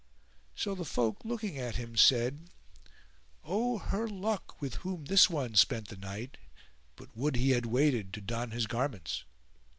So the folk looking at him said, "O her luck with whom this one spent the night! but would he had waited to don his garments."